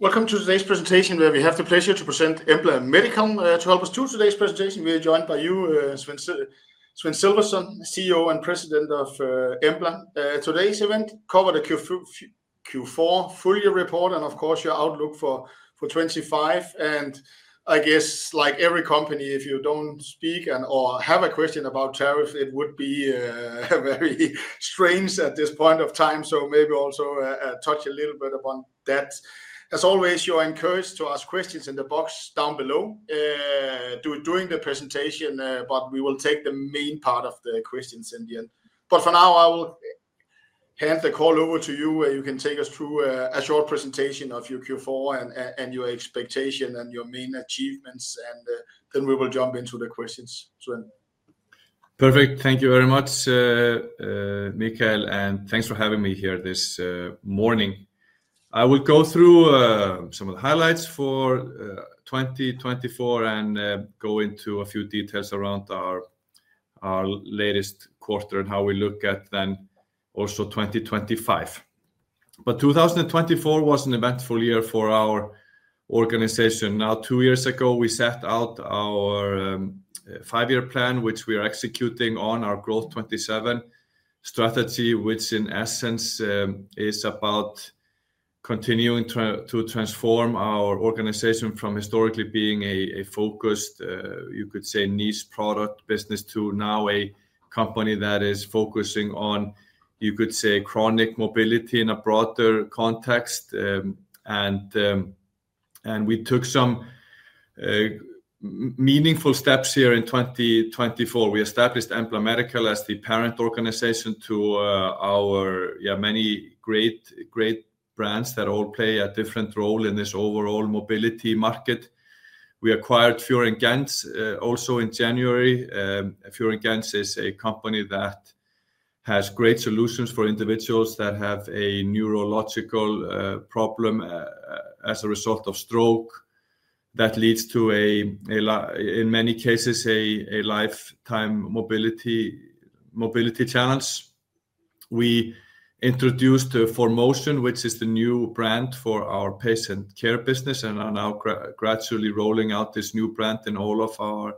Welcome to today's presentation where we have the pleasure to present Embla Medical. To help us through today's presentation, we are joined by you, Sveinn Sölvason, CEO and President of Embla. Today's event covers the Q4 full year report and, of course, your outlook for 2025, and I guess, like every company, if you don't speak and/or have a question about tariffs, it would be very strange at this point of time, so maybe also touch a little bit upon that. As always, you're encouraged to ask questions in the box down below during the presentation, but we will take the main part of the questions in the end, but for now, I will hand the call over to you where you can take us through a short presentation of your Q4 and your expectations and your main achievements, and then we will jump into the questions. Sveinn. Perfect. Thank you very much, Michael, and thanks for having me here this morning. I will go through some of the highlights for 2024 and go into a few details around our latest quarter and how we look at then also 2025. But 2024 was an eventful year for our organization. Now, two years ago, we set out our five-year plan, which we are executing on our Growth '27 strategy, which in essence is about continuing to transform our organization from historically being a focused, you could say, niche product business to now a company that is focusing on, you could say, chronic mobility in a broader context. And we took some meaningful steps here in 2024. We established Embla Medical as the parent organization to our many great brands that all play a different role in this overall mobility market. We acquired Fior & Gentz also in January. Fior & Gentz is a company that has great solutions for individuals that have a neurological problem as a result of stroke that leads to, in many cases, a lifetime mobility challenge. We introduced ForMotion, which is the new brand for our patient care business, and are now gradually rolling out this new brand in all of our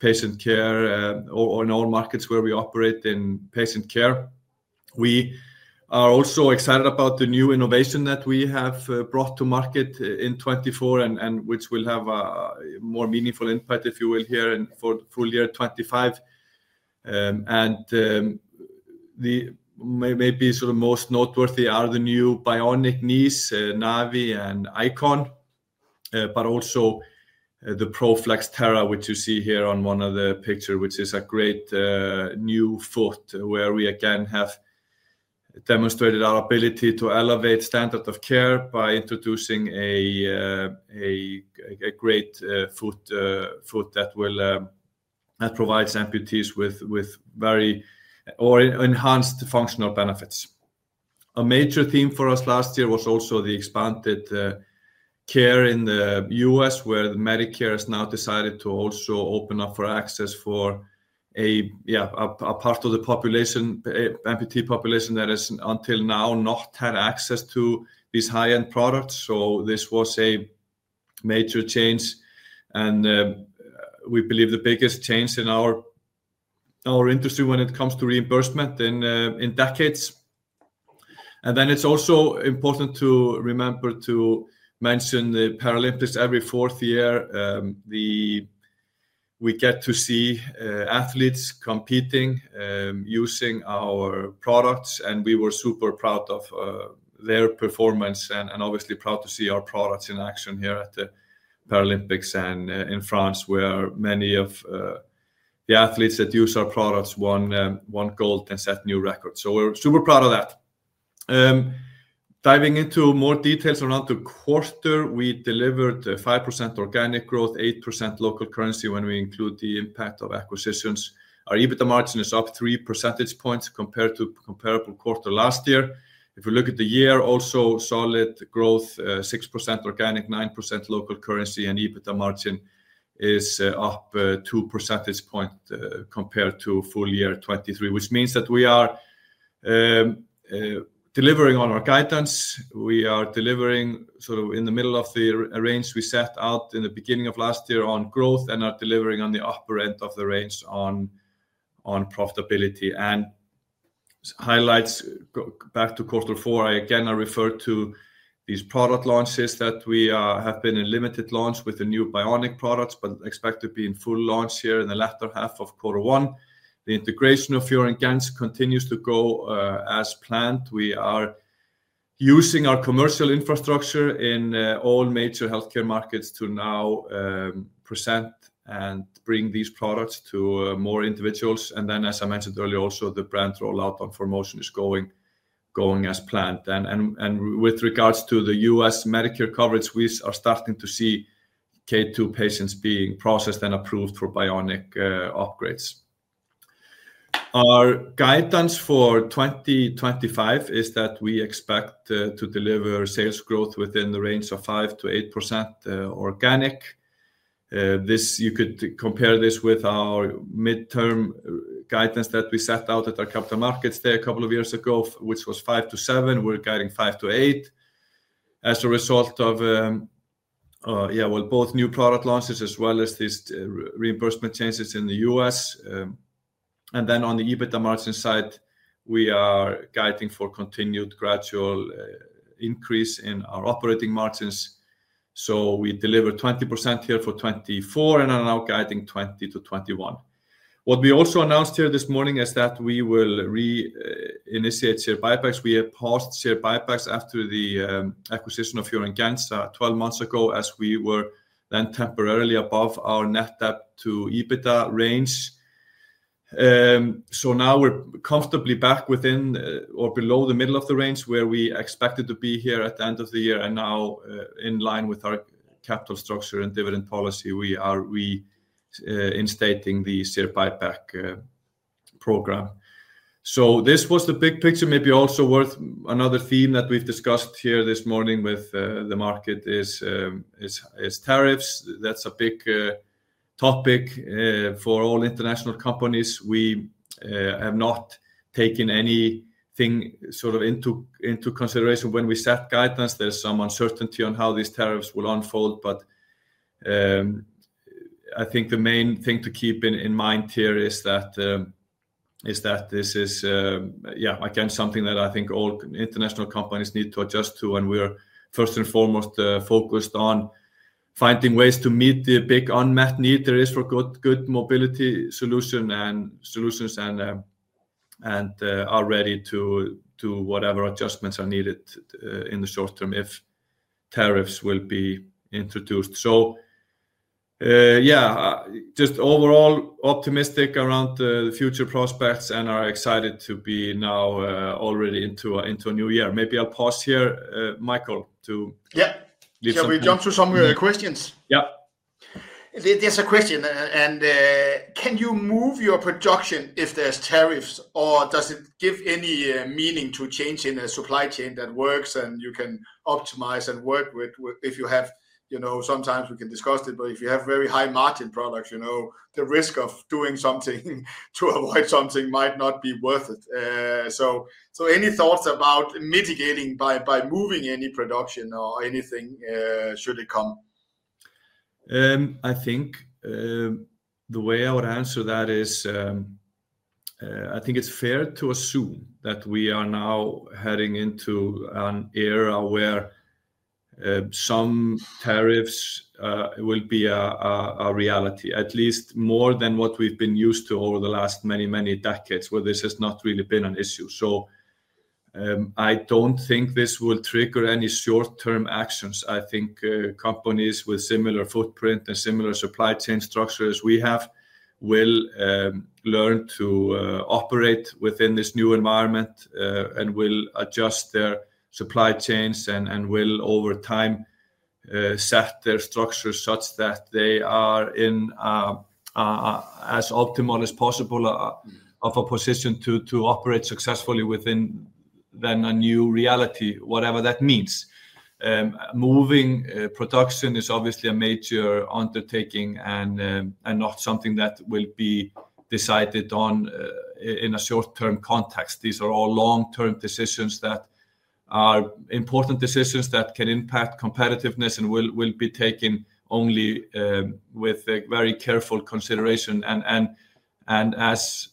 patient care or in all markets where we operate in patient care. We are also excited about the new innovation that we have brought to market in 2024, which will have a more meaningful impact, if you will, here for full year 2025. And maybe sort of most noteworthy are the new bionic knees, NAVii and ICON, but also the Pro-Flex Terra, which you see here on one of the pictures, which is a great new foot where we again have demonstrated our ability to elevate the standard of care by introducing a great foot that provides amputees with very enhanced functional benefits. A major theme for us last year was also the expanded care in the U.S., where Medicare has now decided to also open up access for a part of the K2 population that has until now not had access to these high-end products. So this was a major change. And we believe the biggest change in our industry when it comes to reimbursement in decades. And then it's also important to remember to mention the Paralympics every fourth year. We get to see athletes competing using our products, and we were super proud of their performance and obviously proud to see our products in action here at the Paralympics and in France, where many of the athletes that use our products won gold and set new records. So we're super proud of that. Diving into more details around the quarter, we delivered 5% organic growth, 8% local currency when we include the impact of acquisitions. Our EBITDA margin is up 3 percentage points compared to a comparable quarter last year. If you look at the year, also solid growth, 6% organic, 9% local currency, and EBITDA margin is up 2 percentage points compared to full year 2023, which means that we are delivering on our guidance. We are delivering sort of in the middle of the range we set out in the beginning of last year on growth and are delivering on the upper end of the range on profitability. And highlights back to quarter four, I again refer to these product launches that we have been in limited launch with the new bionic products, but expect to be in full launch here in the latter half of quarter one. The integration of Fior & Gentz continues to go as planned. We are using our commercial infrastructure in all major healthcare markets to now present and bring these products to more individuals. And then, as I mentioned earlier, also the brand rollout on ForMotion is going as planned. And with regards to the U.S. Medicare coverage, we are starting to see K2 patients being processed and approved for bionic upgrades. Our guidance for 2025 is that we expect to deliver sales growth within the range of 5%-8% organic. You could compare this with our midterm guidance that we set out at our capital markets day a couple of years ago, which was 5%-7%. We're guiding 5%-8% as a result of, yeah, well, both new product launches as well as these reimbursement changes in the U.S., and then on the EBITDA margin side, we are guiding for continued gradual increase in our operating margins, so we delivered 20% here for 2024 and are now guiding 20%-21%. What we also announced here this morning is that we will re-initiate share buybacks. We had paused share buybacks after the acquisition of Fior & Gentz 12 months ago as we were then temporarily above our net debt to EBITDA range. So now we're comfortably back within or below the middle of the range where we expected to be here at the end of the year. And now, in line with our capital structure and dividend policy, we are reinstating the share buyback program. So this was the big picture. Maybe also worth another theme that we've discussed here this morning with the market is tariffs. That's a big topic for all international companies. We have not taken anything sort of into consideration when we set guidance. There's some uncertainty on how these tariffs will unfold, but I think the main thing to keep in mind here is that this is, yeah, again, something that I think all international companies need to adjust to. And we're first and foremost focused on finding ways to meet the big unmet need there is for good mobility solutions and are ready to do whatever adjustments are needed in the short term if tariffs will be introduced. So, yeah, just overall optimistic around the future prospects and are excited to be now already into a new year. Maybe I'll pause here, Michael, to. Yeah, shall we jump to some questions? Yeah. There's a question, and can you move your production if there's tariffs, or does it give any meaning to change in a supply chain that works and you can optimize and work with if you have? Sometimes we can discuss it, but if you have very high margin products, the risk of doing something to avoid something might not be worth it, so any thoughts about mitigating by moving any production or anything should it come? I think the way I would answer that is I think it's fair to assume that we are now heading into an era where some tariffs will be a reality, at least more than what we've been used to over the last many, many decades, where this has not really been an issue. So I don't think this will trigger any short-term actions. I think companies with similar footprint and similar supply chain structures as we have will learn to operate within this new environment and will adjust their supply chains and will over time set their structures such that they are in as optimal as possible of a position to operate successfully within then a new reality, whatever that means. Moving production is obviously a major undertaking and not something that will be decided on in a short-term context. These are all long-term decisions that are important decisions that can impact competitiveness and will be taken only with very careful consideration and, let's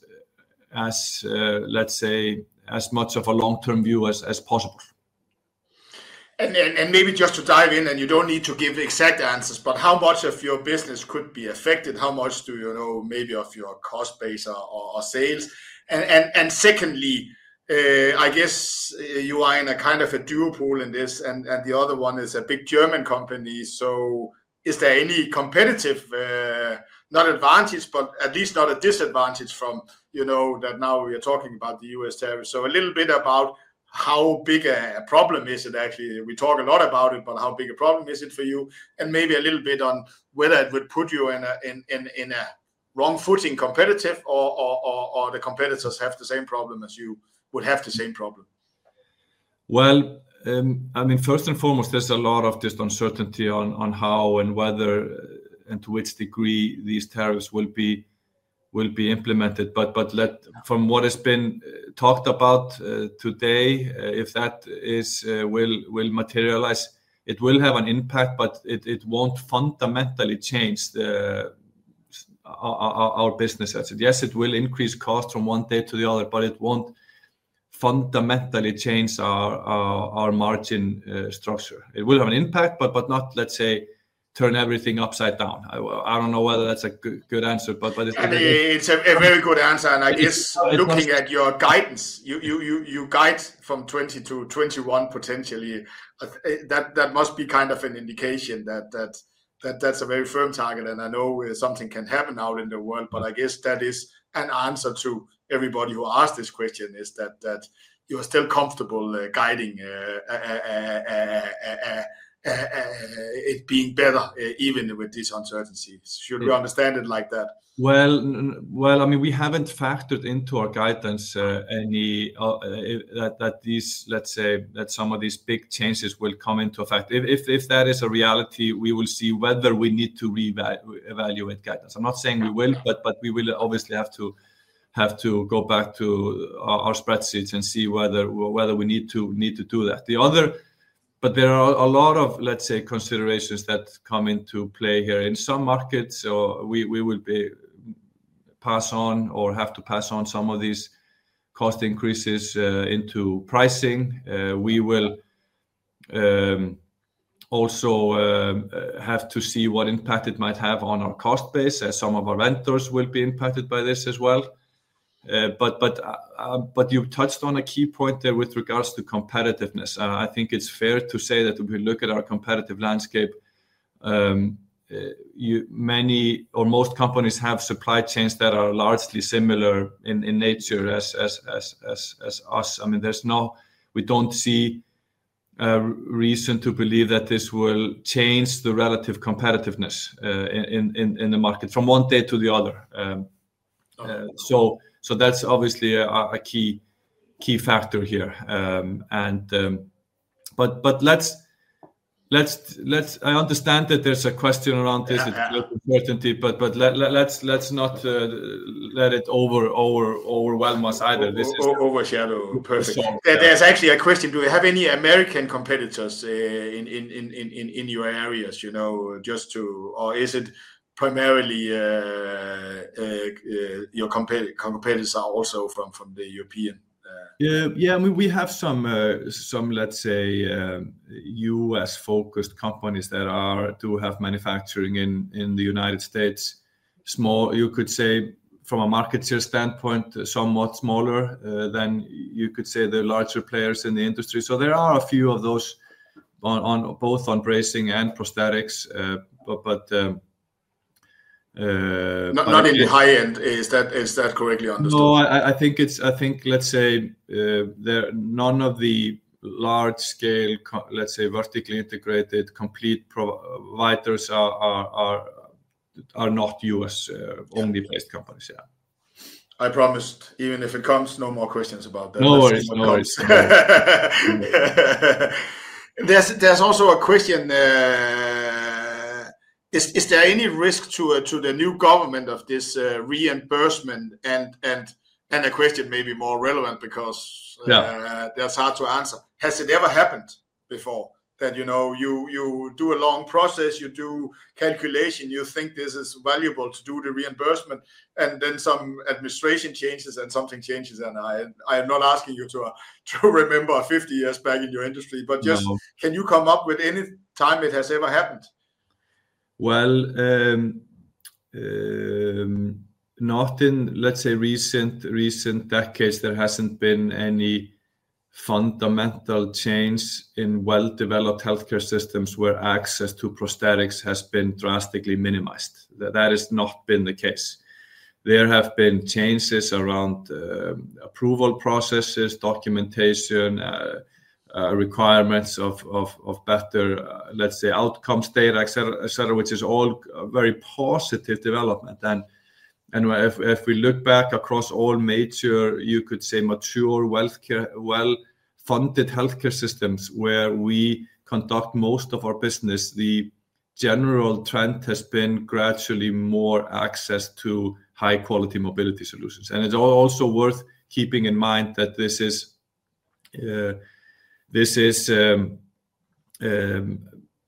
say, as much of a long-term view as possible. And maybe just to dive in, and you don't need to give exact answers, but how much of your business could be affected? How much do you know maybe of your cost base or sales? And secondly, I guess you are in a kind of a duopoly in this, and the other one is a big German company. So is there any competitive, not advantage, but at least not a disadvantage from that now we are talking about the U.S. tariffs? So a little bit about how big a problem is it actually? We talk a lot about it, but how big a problem is it for you? And maybe a little bit on whether it would put you in a wrong footing competitive or the competitors have the same problem as you would have the same problem? I mean, first and foremost, there's a lot of just uncertainty on how and whether and to which degree these tariffs will be implemented, but from what has been talked about today, if that will materialize, it will have an impact, but it won't fundamentally change our business. Yes, it will increase costs from one day to the other, but it won't fundamentally change our margin structure. It will have an impact, but not, let's say, turn everything upside down. I don't know whether that's a good answer, but it's going to be. It's a very good answer. And I guess looking at your guidance, you guide from 2020 to 2021 potentially, that must be kind of an indication that that's a very firm target. And I know something can happen out in the world, but I guess that is an answer to everybody who asked this question, is that you are still comfortable guiding it being better even with this uncertainty. Should we understand it like that? I mean, we haven't factored into our guidance that these, let's say, that some of these big changes will come into effect. If that is a reality, we will see whether we need to reevaluate guidance. I'm not saying we will, but we will obviously have to go back to our spreadsheets and see whether we need to do that. But there are a lot of, let's say, considerations that come into play here. In some markets, we will pass on or have to pass on some of these cost increases into pricing. We will also have to see what impact it might have on our cost base as some of our vendors will be impacted by this as well. But you've touched on a key point there with regards to competitiveness. I think it's fair to say that if we look at our competitive landscape, many or most companies have supply chains that are largely similar in nature as us. I mean, we don't see a reason to believe that this will change the relative competitiveness in the market from one day to the other. So that's obviously a key factor here. But I understand that there's a question around this uncertainty, but let's not let it overwhelm us either. Overshadow. Perfect. There's actually a question. Do we have any American competitors in your areas? Just to, or is it primarily your competitors are also from the European? Yeah, I mean, we have some, let's say, U.S.-focused companies that do have manufacturing in the United States. Small, you could say, from a market share standpoint, somewhat smaller than you could say the larger players in the industry. So there are a few of those both on bracing and prosthetics, but. Not in the high end. Is that correctly understood? No, I think, let's say, none of the large-scale, let's say, vertically integrated complete providers are not U.S.-only based companies. I promised, even if it comes, no more questions about that. No worries. There's also a question. Is there any risk to the new government of this reimbursement? And a question maybe more relevant because that's hard to answer. Has it ever happened before that you do a long process, you do calculation, you think this is valuable to do the reimbursement, and then some administration changes and something changes? And I am not asking you to remember 50 years back in your industry, but just can you come up with any time it has ever happened? Not in, let's say, recent decades, there hasn't been any fundamental change in well-developed healthcare systems where access to prosthetics has been drastically minimized. That has not been the case. There have been changes around approval processes, documentation, requirements of better, let's say, outcome state, etc., which is all very positive development. If we look back across all major, you could say, mature well-funded healthcare systems where we conduct most of our business, the general trend has been gradually more access to high-quality mobility solutions. It's also worth keeping in mind that this is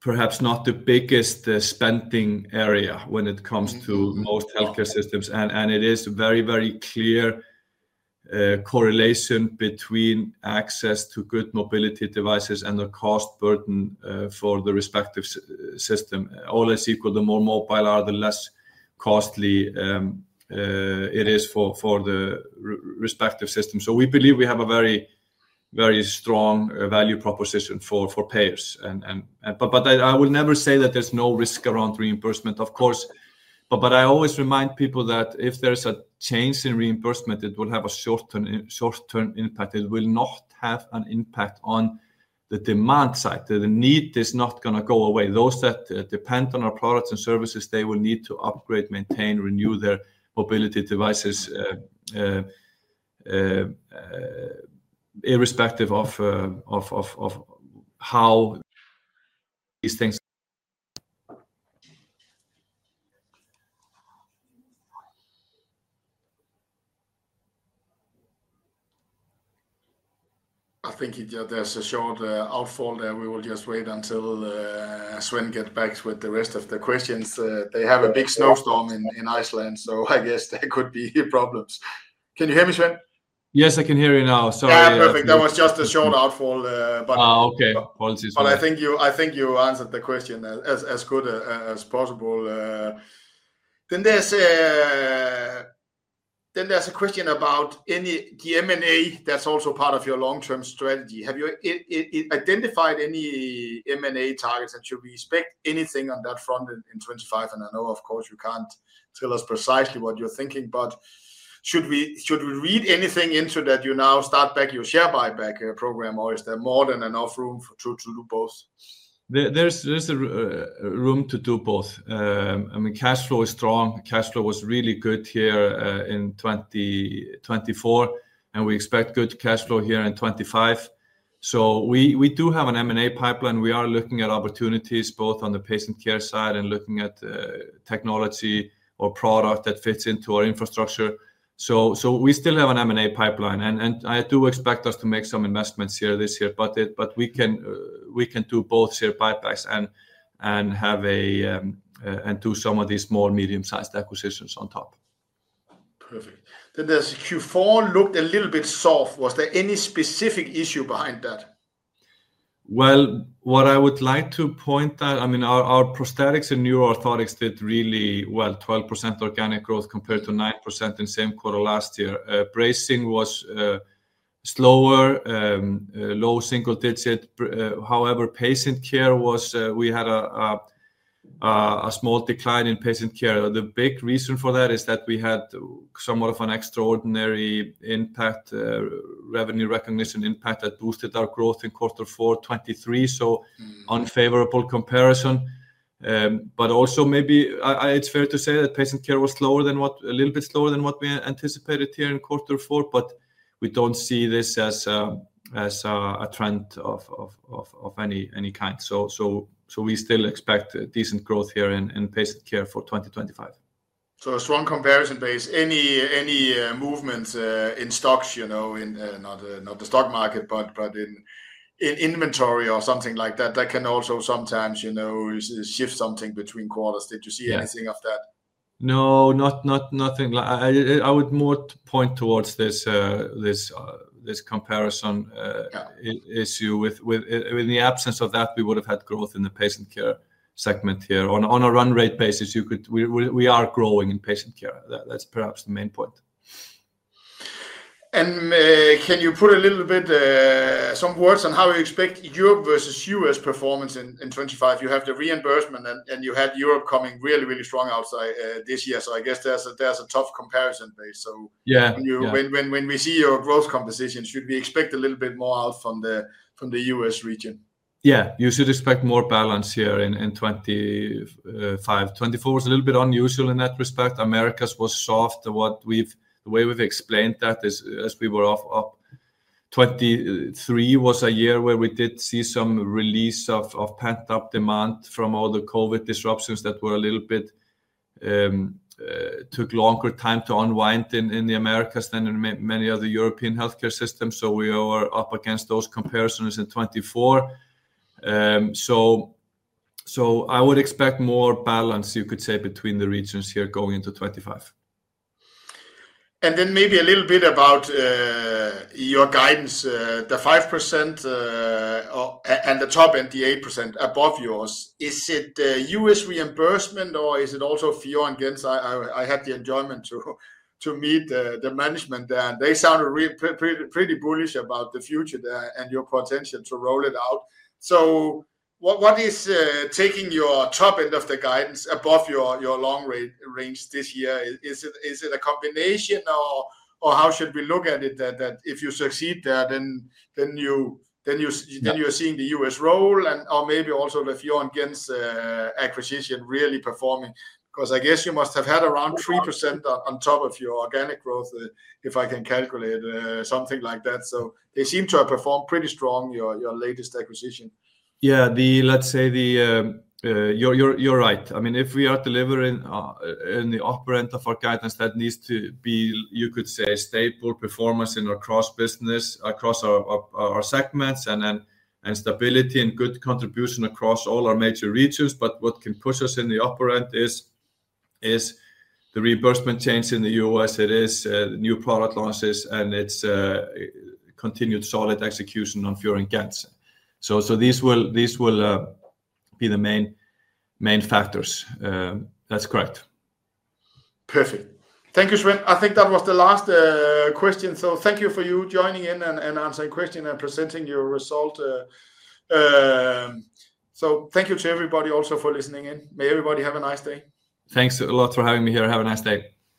perhaps not the biggest spending area when it comes to most healthcare systems. It is a very, very clear correlation between access to good mobility devices and the cost burden for the respective system. All is equal, the more mobile are, the less costly it is for the respective system. So we believe we have a very, very strong value proposition for payers. But I will never say that there's no risk around reimbursement, of course. But I always remind people that if there's a change in reimbursement, it will have a short-term impact. It will not have an impact on the demand side. The need is not going to go away. Those that depend on our products and services, they will need to upgrade, maintain, renew their mobility devices irrespective of how these things. I think there's a short outage there. We will just wait until Sveinn gets back with the rest of the questions. They have a big snowstorm in Iceland, so I guess there could be problems. Can you hear me, Sveinn? Yes, I can hear you now. Sorry. Yeah, perfect. That was just a short outfall. Oh, okay. But I think you answered the question as good as possible. Then there's a question about any M&A that's also part of your long-term strategy. Have you identified any M&A targets and should we expect anything on that front in 2025? And I know, of course, you can't tell us precisely what you're thinking, but should we read anything into that you now start back your share buyback program, or is there more than enough room to do both? There's room to do both. I mean, cash flow is strong. Cash flow was really good here in 2024, and we expect good cash flow here in 2025. So we do have an M&A pipeline. We are looking at opportunities both on the patient care side and looking at technology or product that fits into our infrastructure. So we still have an M&A pipeline. And I do expect us to make some investments here this year, but we can do both share buybacks and do some of these small, medium-sized acquisitions on top. Perfect. Then there's Q4 looked a little bit soft. Was there any specific issue behind that? What I would like to point out, I mean, our prosthetics and new orthotics did really well, 12% organic growth compared to 9% in same quarter last year. Bracing was slower, low single digit. However, patient care was we had a small decline in patient care. The big reason for that is that we had somewhat of an extraordinary impact, revenue recognition impact that boosted our growth in quarter four, 2023. So unfavorable comparison. But also maybe it's fair to say that patient care was a little bit slower than what we anticipated here in quarter four, but we don't see this as a trend of any kind. So we still expect decent growth here in patient care for 2025. So a strong comparison base. Any movements in stocks, not the stock market, but in inventory or something like that, that can also sometimes shift something between quarters. Did you see anything of that? No, nothing. I would more point towards this comparison issue. With the absence of that, we would have had growth in the patient care segment here. On a run rate basis, we are growing in patient care. That's perhaps the main point. Can you put a little bit some words on how you expect Europe versus U.S. performance in 2025? You have the reimbursement, and you had Europe coming really, really strong outside this year. I guess there's a tough comparison base. When we see your growth composition, should we expect a little bit more out from the U.S. region? Yeah, you should expect more balance here in 2025. 2024 was a little bit unusual in that respect. The Americas was soft. The way we've explained that is as we were up. 2023 was a year where we did see some release of pent-up demand from all the COVID disruptions that took longer time to unwind in the Americas than in many other European healthcare systems. So we were up against those comparisons in 2024. So I would expect more balance, you could say, between the regions here going into 2025. And then maybe a little bit about your guidance, the 5% and the top end, the 8% above yours. Is it U.S. reimbursement, or is it also Fior & Gentz? I had the enjoyment to meet the management there, and they sounded pretty bullish about the future there and your potential to roll it out, so what is taking your top end of the guidance above your long range this year? Is it a combination, or how should we look at it that if you succeed there, then you're seeing the U.S. roll-out or maybe also the Fior & Gentz acquisition really performing? Because I guess you must have had around 3% on top of your organic growth, if I can calculate something like that, so they seem to have performed pretty strong, your latest acquisition. Yeah, let's say you're right. I mean, if we are delivering in the upper end of our guidance, that needs to be, you could say, stable performance in our cross-business, across our segments, and stability and good contribution across all our major regions. But what can push us in the upper end is the reimbursement change in the U.S. It is new product launches and its continued solid execution on Fior & Gentz. So these will be the main factors. That's correct. Perfect. Thank you, Sveinn. I think that was the last question. So, thank you for joining in and answering questions and presenting your result. So, thank you to everybody also for listening in. May everybody have a nice day. Thanks a lot for having me here. Have a nice day.